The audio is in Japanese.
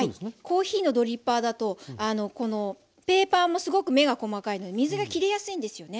コーヒーのドリッパーだとこのペーパーもすごく目が細かいので水がきりやすいんですよね。